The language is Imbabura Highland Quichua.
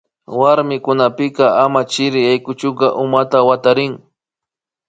Warmikunapika ama chirik yaykuchuka umata watarin